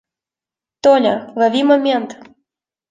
Толя, лови момент.